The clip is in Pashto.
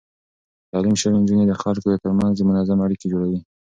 تعليم شوې نجونې د خلکو ترمنځ منظم اړيکې جوړوي.